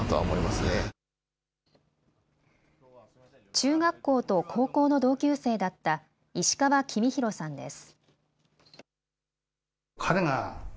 中学校と高校の同級生だった石川公弘さんです。